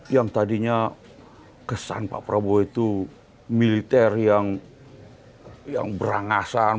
yang tadinya kesan pak prabowo itu militer yang berangasan